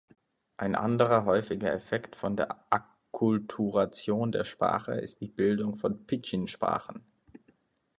Ein anderer häufiger Effekt von der Akkulturation der Sprache ist die Bildung von Pidgin-Sprachen.